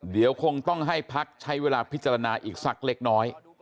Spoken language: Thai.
เดี๋ยวคงต้องให้พักใช้เวลาพิจารณาอีกสักเล็กน้อย